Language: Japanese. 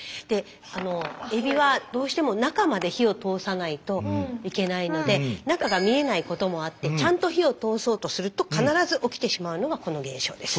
エビはどうしても中まで火を通さないといけないので中が見えないこともあってちゃんと火を通そうとすると必ず起きてしまうのがこの現象です。